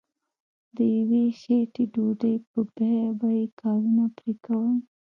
د یوې خیټې ډوډۍ په بیه به یې کارونه پرې کول.